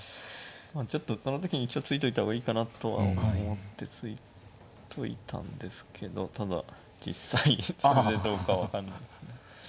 あちょっとその時に一応突いといた方がいいかなとは思って突いといたんですけどただ実際それでどうか分かんないですね。